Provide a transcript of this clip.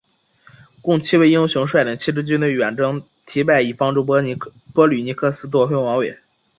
共七位英雄率领七支军队远征忒拜以帮助波吕尼克斯夺回王位。